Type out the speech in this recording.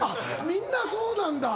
みんなそうなんだ！